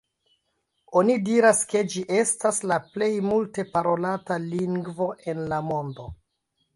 Oni diras ke ĝi estas la plej multe parolata lingvo en la mondo.